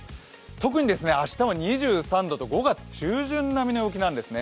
特に明日は２３度と、５月中旬並みの陽気なんですね。